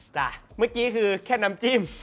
เมื่อกี้คือแค่น้ำจิ้ม